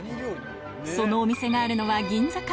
そのお店があるのは銀座か？